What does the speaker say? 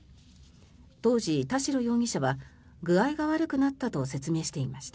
当時、田代容疑者は具合が悪くなったと説明していました。